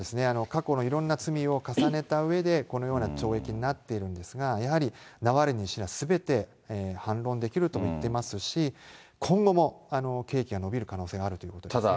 過去のいろんな罪を重ねたうえで、このような懲役になっているんですが、やはり、ナワリヌイ氏はすべて反論できると言ってますし、今後も刑期が延びる可能性があると思いますね。